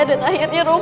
dan akhirnya romlan